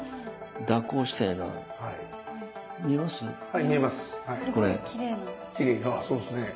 ああそうですね。